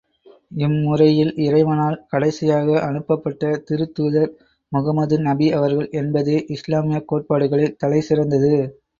இம்முறையில் இறைவனால் கடைசியாக அனுப்பப்பட்ட திருத்தூதர் முகமது நபி அவர்கள் என்பதே இஸ்லாமியக் கோட்பாடுகளில் தலை சிறந்தது.